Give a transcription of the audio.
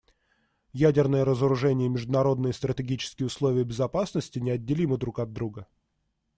Ядерное разоружение и международные стратегические условия безопасности неотделимы друг от друга.